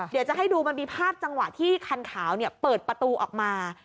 เดี๋ยวจะให้ดูมันมีภาพจังหวะที่คันขาวเปิดประตูออกมา